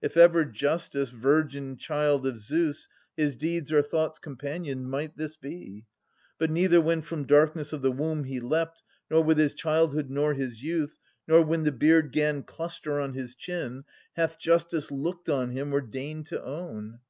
If ever Justice, virgin child of Zeus, His deeds or thoughts companioned, might this be : But neither when from darkness of the womb He leapt, nor with his childhood, nor his youth. Nor when the beard 'gan cluster on his chin, Hath Justice looked on him or deigned to own.